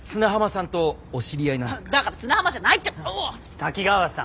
滝川さん